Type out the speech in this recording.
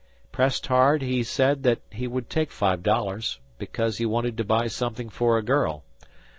Pressed hard, he said that he would take five dollars, because he wanted to buy something for a girl.